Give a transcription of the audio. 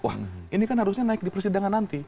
wah ini kan harusnya naik di persidangan nanti